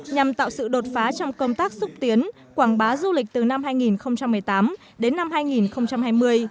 nhằm tạo sự đột phá trong công tác xúc tiến quảng bá du lịch từ năm hai nghìn một mươi tám đến năm hai nghìn hai mươi